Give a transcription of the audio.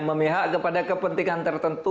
memihak kepada kepentingan tertentu